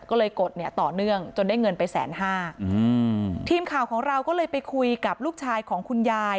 ก็เลยกดเนี่ยต่อเนื่องจนได้เงินไปแสนห้าอืมทีมข่าวของเราก็เลยไปคุยกับลูกชายของคุณยาย